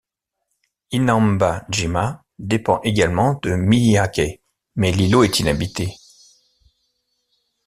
Inamba-jima dépend également de Miyake, mais l'îlot est inhabité.